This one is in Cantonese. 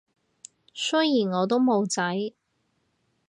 雖然我都冇仔